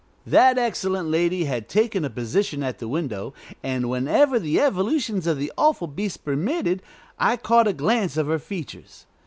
That excellent lady had taken a position at the window, and, whenever the evolutions of the awful beast permitted, I caught a glance of her features.